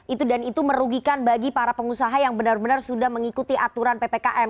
itu dan itu merugikan bagi para pengusaha yang benar benar sudah mengikuti aturan ppkm